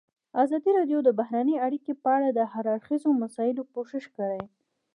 ازادي راډیو د بهرنۍ اړیکې په اړه د هر اړخیزو مسایلو پوښښ کړی.